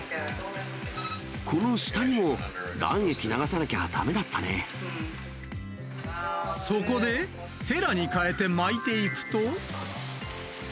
この下にも、卵液流さなきゃそこで、へらに変えて巻いていくと。